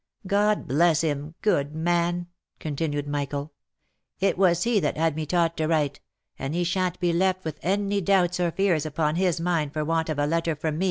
God bless him, good man !" continued Michael ;" it was he* that had me taught to Avrite, and he shan't be left with any doubts or fears upon his mind for want of a letter from me."